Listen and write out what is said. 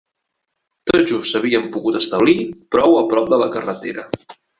Tot just s'havien pogut establir prou a prop de la carretera